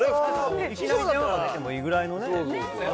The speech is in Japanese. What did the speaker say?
いきなりかけてもいいぐらいのね。